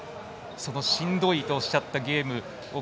しんどいとおっしゃったゲームを